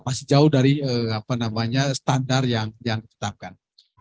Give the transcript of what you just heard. masih jauh dari standar yang ditetapkan